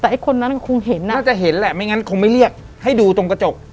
แต่ไอ้คนนั้นคงเห็นอ่ะน่าจะเห็นแหละไม่งั้นคงไม่เรียกให้ดูตรงกระจก